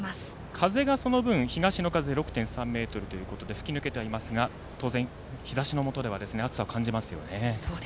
風がその分、東の風が６．３メートルということで吹き抜けてはいましたが当然、日ざしのもとでは暑さを感じますよね。